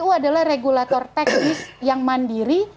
kpu adalah regulator teknis yang mandiri